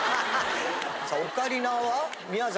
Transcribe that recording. さあオカリナは宮崎。